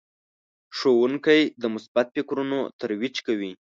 استاد د مثبت فکرونو ترویج کوي.